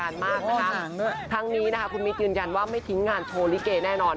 นะคะทรงนี้นะอ่ะคุณมีถืนยันว่าไม่ทิ้งงานโชว์ลิเกเน่นอน